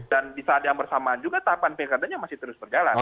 di saat yang bersamaan juga tahapan pilkadanya masih terus berjalan